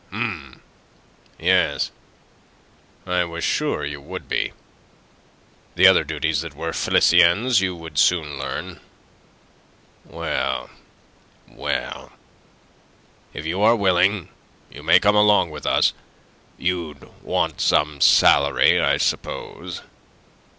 "Hum, yes. I was sure you would be. The other duties that were Felicien's you would soon learn. Well, well, if you are willing, you may come along with us. You'd want some salary, I suppose?"